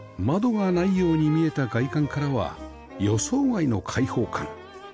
窓がないように見えた外観からは予想外の開放感